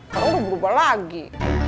kamu udah berubah lagi